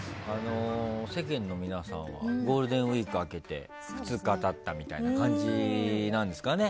世間の皆さんはゴールデンウィーク明けて２日経ったみたいな感じですかね。